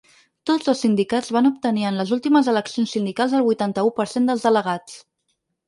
Tots dos sindicats van obtenir en les últimes eleccions sindicals el vuitanta-u per cent dels delegats.